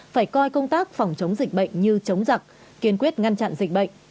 phải coi công tác phòng chống dịch bệnh như chống giặc kiên quyết ngăn chặn dịch bệnh